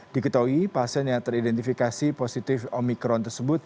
diketahui pasien yang teridentifikasi positif omikron tersebut